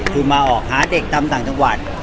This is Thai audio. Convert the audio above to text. คือมาออกหาเด็กตามต่างจังหวัด